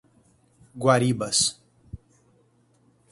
Guaribas